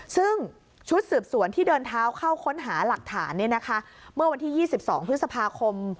ซึ่งชุดสืบสวนที่เดินเท้าเข้าค้นหาหลักฐานเมื่อวันที่๒๒พฤษภาคม